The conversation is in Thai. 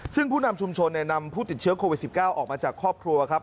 ซึ่งผู้นำชุมชนนำผู้ติดเชื้อโควิด๑๙ออกมาจากครอบครัวครับ